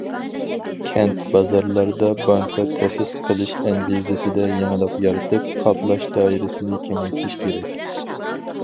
كەنت، بازارلاردا بانكا تەسىس قىلىش ئەندىزىسىدە يېڭىلىق يارىتىپ، قاپلاش دائىرىسىنى كېڭەيتىش كېرەك.